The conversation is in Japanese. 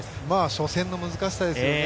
初戦の難しさですよね。